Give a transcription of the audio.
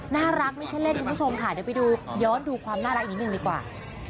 ไม่ใช่เล่นคุณผู้ชมค่ะเดี๋ยวไปดูย้อนดูความน่ารักอีกนิดนึงดีกว่า